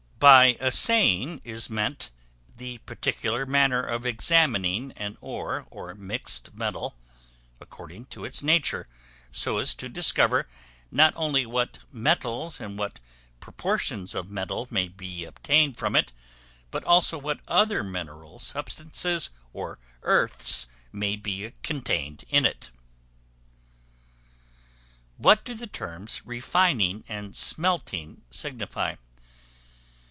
By assaying is meant, the particular manner of examining an ore or mixed metal, according to its nature, so as to discover not only what metals and what proportions of metal may be obtained from it, but also what other mineral substances or earths may be contained in it. What do the terms Refining and Smelting signify?